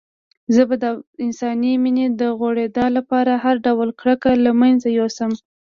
زه به د انساني مينې د غوړېدا لپاره هر ډول کرکه له منځه يوسم.